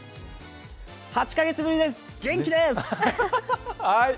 ８か月ぶりです、元気です！